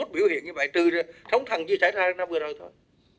hai mươi một biểu hiện như vậy trừ sống thẳng như trải thái năm vừa rồi thôi